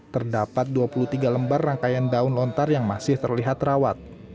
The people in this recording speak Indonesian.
terdapat dua puluh tiga lembar rangkaian daun lontar yang masih terlihat rawat